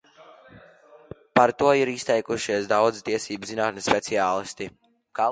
Par to ir izteikušies daudzi tiesību zinātnes speciālisti.